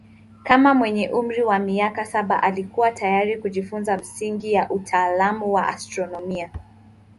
Kama mwenye umri wa miaka saba alikuwa tayari kujifunza misingi ya utaalamu wa astronomia.